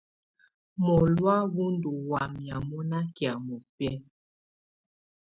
Mɔlɔ̀á wù ndù wamɛ̀á mɔna kɛ̀́á mɔbɛ̀á.